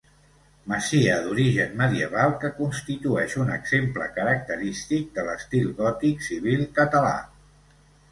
Masia d'origen medieval que constitueix un exemple característic de l'estil gòtic civil català.